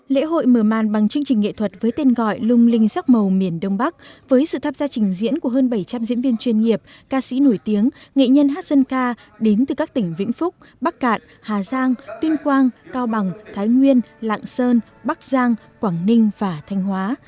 lễ hội mở màn bằng chương trình nghệ thuật với tên gọi lung linh sắc màu miền đông bắc với sự tham gia trình diễn của hơn bảy trăm linh diễn viên chuyên nghiệp ca sĩ nổi tiếng nghệ nhân hát dân ca đến từ các tỉnh vĩnh phúc bắc cạn hà giang tuyên quang cao bằng thái nguyên lạng sơn bắc giang quảng ninh và thanh hóa